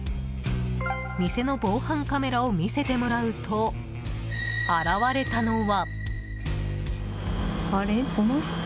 店の防犯カメラを見せてもらうと現れたのは。